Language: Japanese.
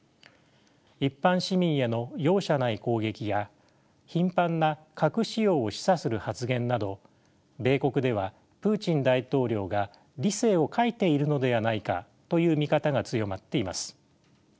一般市民への容赦ない攻撃や頻繁な核使用を示唆する発言など米国ではプーチン大統領が理性を欠いているのではないかという見方が強まっています。